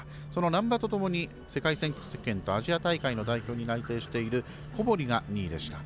難波とともに、世界選手権とアジア大会の代表に内定している小堀が２位でした。